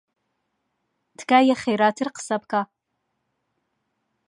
تکایە خێراتر قسە بکە.